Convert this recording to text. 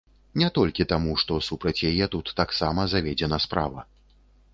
Не толькі таму, што супраць яе тут таксама заведзена справа.